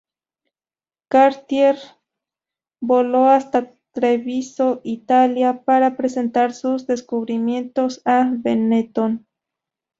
Cartier voló hasta Treviso, Italia, para presentar sus descubrimientos a Benetton.